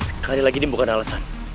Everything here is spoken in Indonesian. sekali lagi ini bukan alasan